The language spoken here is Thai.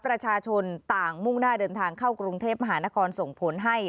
ประชาชนต่างมุ่งหน้าเดินทางเข้ากรุงเทพมหานครส่งผลให้